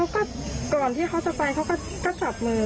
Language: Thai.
ก็ก่อนที่เขาจะไปเขาก็จับมือ